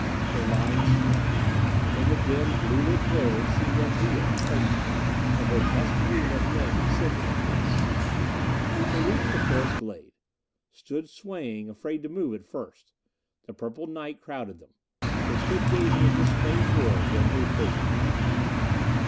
The line swayed. In the dim, blue lit glare it seemed unreal, crazy. A grotesque dream of men descending a plank. They reached the forest glade. Stood swaying, afraid at first to move. The purple night crowded them; they stood gazing at this strange world, their new prison.